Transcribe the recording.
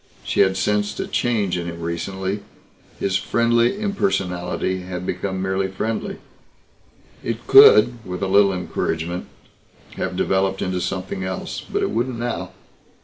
She had sensed a change in him recently. His friendly impersonality had become merely friendly. It could, with a little encouragement, have developed into something else. But it wouldn't now.